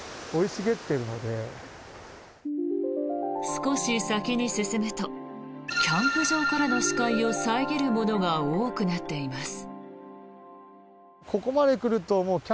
少し先に進むとキャンプ場からの視界を遮るものが多くなっています。